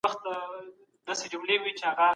هر څېړونکی باید د خپلو ستونزو پایلي وسنجوي.